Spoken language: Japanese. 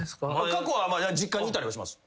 過去は実家にいたりはします。